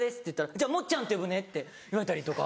「じゃあもっちゃんって呼ぶね」って言われたりとか。